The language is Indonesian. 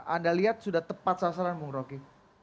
anda lihat sudah tepat sasaran bung roky